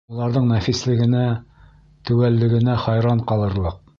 Уларҙың нәфислегенә, теүәллегенә хайран ҡалырлыҡ.